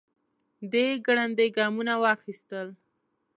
دی ګړندي ګامونه واخيستل.